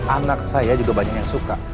anak saya juga banyak yang suka